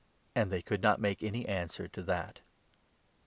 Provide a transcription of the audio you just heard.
139 And they could not make any answer to that.